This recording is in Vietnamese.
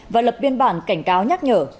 và lập biên bản cảnh cáo nhắc nhở